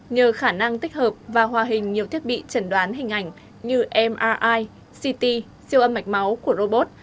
nhờ khả năng tích hợp và hòa hình nhiều thiết bị trần đoán hình ảnh như mia ct siêu âm mạch máu của robot